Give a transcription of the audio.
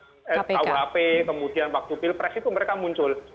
kemarin unjurasa masalah undang undang kuhp kemudian waktu pilpres itu mereka muncul